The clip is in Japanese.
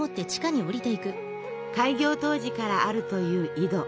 開業当時からあるという井戸。